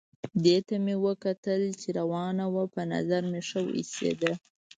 دې ته مې کتل چې روانه وه، په نظر مې ښه وه ایسېده.